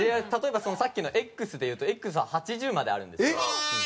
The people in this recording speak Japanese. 例えばさっきのＸでいうとＸは８０まであるんですよ。